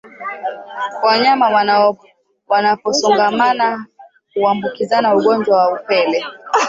Wanyama wanaposongamana huambukizana ugonjwa wa upele